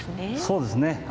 そうですね。